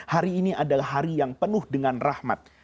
hari ini adalah hari yang penuh dengan rahmat